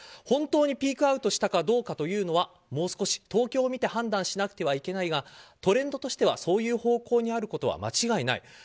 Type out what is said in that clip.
本当にピークアウトしたかどうかというのはもう少し東京を見て判断しなくてはいけないがトレンドとしてはそういう方向にあることは間違いない。